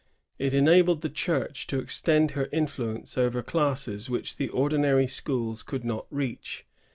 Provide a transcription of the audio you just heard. It enabled the Church to extend her influence over classes which the ordinary schools could not reach.